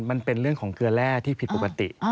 มันเป็นเรื่องของเกลือแร่ที่ผิดปกติ